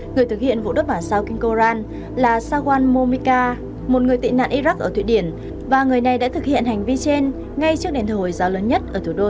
người thực hiện vụ đốt bản sao kinh koran là sawan momika một người tị nạn iraq ở thụy điển và người này đã thực hiện hành vi trên ngay trước đền thờ hồi giáo lớn nhất ở thủ đô